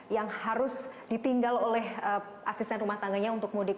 yang harus ditinggal oleh asisten rumah tangganya untuk mudik